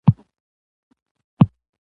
کومه ځانګړې غلطي تر سترګو نه شوه.